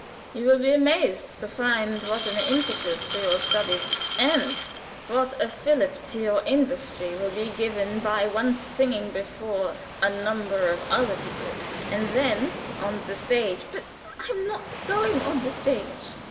You will be amazed to find what an impetus to your studies, and what a filip to your industry will be given by once singing before a number of other people. And then, on the stage " "But I am not going on the stage."